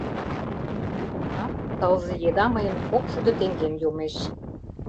Тунам тылзе еда мыйын кокшӱдӧ теҥгем йомеш.